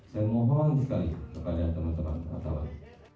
saya mohon sekali kepada teman teman wartawan